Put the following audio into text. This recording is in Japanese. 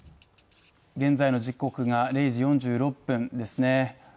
現在の時刻が０時４６分ですね